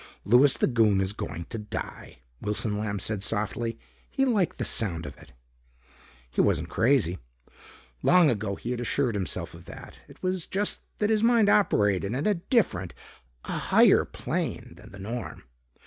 "Louis the Goon is going to die," Wilson Lamb said softly. He liked the sound of it. He wasn't crazy. Long ago he had assured himself of that. It was just that his mind operated on a different, a higher, plane than the norm.